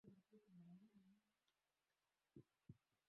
Nikifikia tamati ya mtazamo wangu na jinsi ambavyo Mike alivyoshuhudia